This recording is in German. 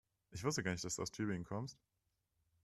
Ich wusste gar nicht, dass du aus Tübingen kommst